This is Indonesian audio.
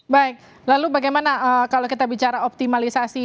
baik lalu bagaimana kalau kita bicara optimalisasi